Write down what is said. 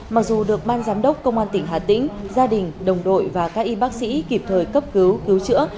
mặc dù được ban giám đốc công an tỉnh hà tĩnh gia đình đồng đội và các y bác sĩ kịp thời cấp cứu cứu chữa